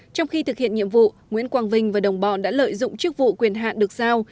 trong khi thực hiện nhiệm vụ nguyễn quang vinh và đồng bọn đã lợi dụng chức vụ quyền hạn được giao